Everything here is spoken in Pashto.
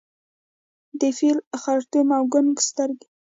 د فیل خړتوم او کونګ سترګي